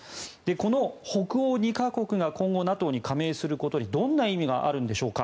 この北欧２か国が今後、ＮＡＴＯに加盟することにどんな意味があるんでしょうか。